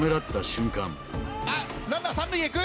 あっランナー３塁へ行く！